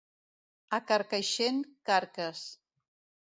A Carcaixent, carques.